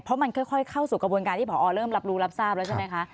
เพราะมันค่อยเข้าสู่กระบวนการที่พอเริ่มรับรู้รับทราบแล้วใช่ไหมคะ